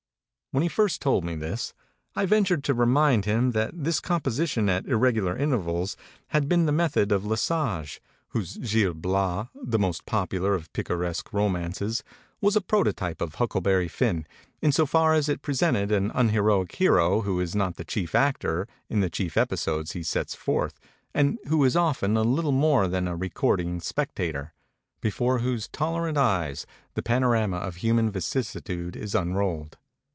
When he first told me this, I ventured to re mind him that this composition at irregular in 266 MEMORIES OF MARK TWAIN tervals had been the method of Le Sage, whose 'Gil Bias/ the most popular of picaresque ro mances, was a prototype of 'Huckleberry Finn,' in so far as it presented an unheroic hero who is not the chief actor in the chief episodes he sets forth and who is often little more than a re cording spectator, before whose tolerant eyes the panorama of human vicissitude is unrolled.